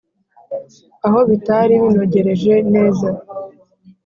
aho bitari binogereje neza,